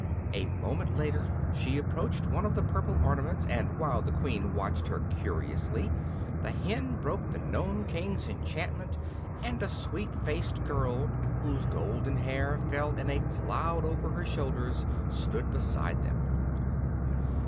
A moment later she approached one of the purple ornaments, and while the Queen watched her curiously the hen broke the Nome King's enchantment and a sweet faced girl, whose golden hair fell in a cloud over her shoulders, stood beside them.